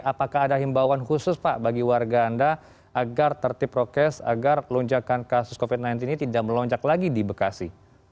apakah ada himbauan khusus pak bagi warga anda agar tertip prokes agar lonjakan kasus covid sembilan belas ini tidak melonjak lagi di bekasi